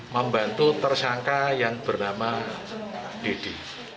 membantu tersangka yang bernama dedy